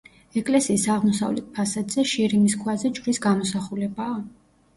ეკლესიის აღმოსავლეთ ფასადზე შირიმის ქვაზე ჯვრის გამოსახულებაა.